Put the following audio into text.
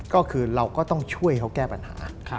ก็คือเราก็ต้องช่วยเขาแก้ปัญหา